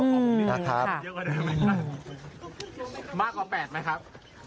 ขอบคุณหนึ่งหนึ่งค่ะค่ะมีกี่พักเหรอมากกว่า๘ไหมครับ